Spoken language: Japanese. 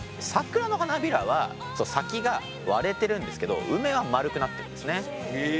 桜の花びらは先が割れてるんですけど梅は丸くなってるんですね。